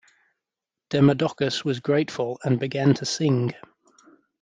Demodocus was grateful and began to sing.